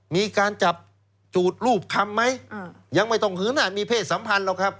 มีการจับจูดรูปคำไหมยังไม่ต้องหืนมีเพศสัมพันธ์หรอกครับ